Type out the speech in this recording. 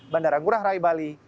bandara ngurah rai bali